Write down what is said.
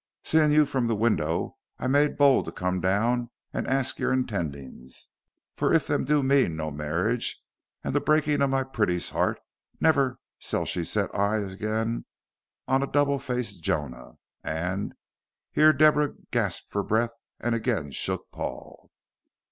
Seein' you from the winder I made bold to come down and arsk your intentings; for if them do mean no marriage and the breaking of my pretty's 'eart, never shall she set eyes agin on a double faced Jonah, and and " Here Deborah gasped for breath and again shook Paul.